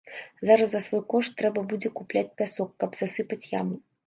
Зараз за свой кошт трэба будзе купляць пясок, каб засыпаць яму.